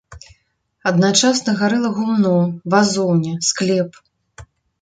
Адначасна гарэла гумно, вазоўня, склеп.